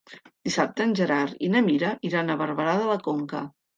Dissabte en Gerard i na Mira iran a Barberà de la Conca.